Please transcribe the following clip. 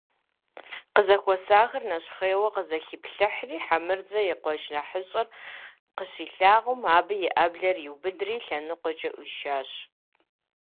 Къызэхуэсахэр нэщхъейуэ къызэхиплъыхьри, Хьэмырзэ и къуэш нэхъыщӀэр къыщилъагъум, абы и Ӏэблэр иубыдри лъэныкъуэкӀэ Ӏуишащ.